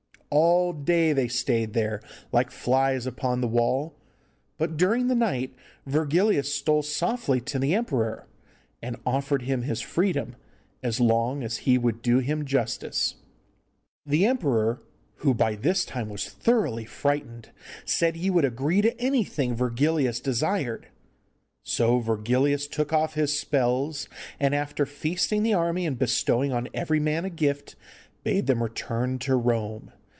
All day they stayed there like flies upon the wall, but during the night Virgilius stole softly to the emperor, and offered him his freedom, as long as he would do him justice. The emperor, who by this time was thoroughly frightened, said he would agree to anything Virgilius desired. So Virgilius took off his spells, and, after feasting the army and bestowing on every man a gift, bade them return to Rome.